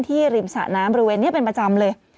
ที่ริมสระน้ำรุนวันนี้เป็นประจำเลย